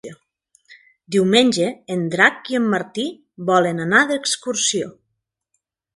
Diumenge en Drac i en Martí volen anar d'excursió.